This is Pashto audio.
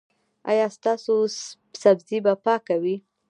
ایا ستاسو سبزي به پاکه وي؟